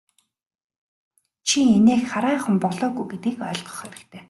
Чи инээх хараахан болоогүй гэдгийг ойлгох хэрэгтэй.